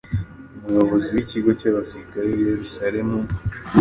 umuyobozi w’ikigo cy’abasirikare b’i Yerusalemu,